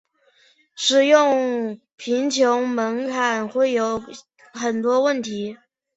使用贫穷门槛会有很多问题。